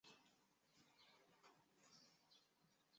这是历来第三次在西班牙举行赛事。